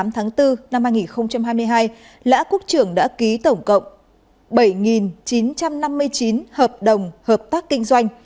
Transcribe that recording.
hai mươi tháng bốn năm hai nghìn hai mươi hai lã quốc trưởng đã ký tổng cộng bảy chín trăm năm mươi chín hợp đồng hợp tác kinh doanh